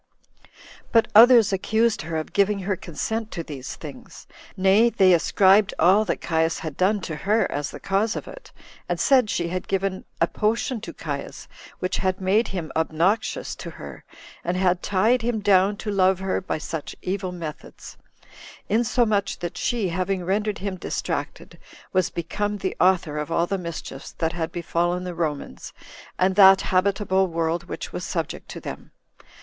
But others accused her of giving her consent to these things; nay, they ascribed all that Caius had done to her as the cause of it, and said she had given a potion to Caius, which had made him obnoxious to her, and had tied him down to love her by such evil methods; insomuch that she, having rendered him distracted, was become the author of all the mischiefs that had befallen the Romans, and that habitable world which was subject to them.